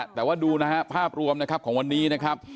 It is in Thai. แต่ว่าดูนะฮะภาพรวมนะครับของวันนี้นะครับ